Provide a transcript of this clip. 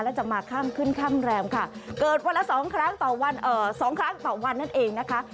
และจะมาข้ามขึ้นข้ามแรมค่ะเกิดวันละสองครั้งต่อวันเอ่อสองครั้งต่อวันนั่นเองนะคะ